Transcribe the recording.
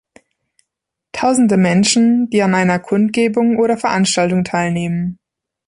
Tausende Menschen, die an einer Kundgebung oder Veranstaltung teilnehmen.